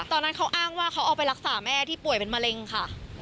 ตอนนั้นเขาอ้างว่าเขาเอาไปรักษาแม่ที่ป่วยเป็นมะเร็งค่ะ